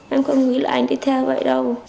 em không nghĩ là anh đi theo vậy đâu